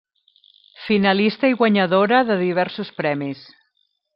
Finalista i guanyadora de diversos premis.